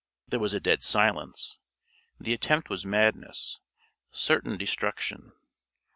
There was a dead silence. The attempt was madness certain destruction.